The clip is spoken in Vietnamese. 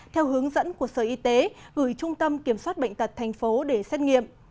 theo hướng dẫn của sở y tế gửi trung tâm kiểm soát bệnh tật thành phố để xét nghiệm